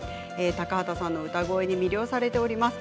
高畑さんの歌声に魅了されております。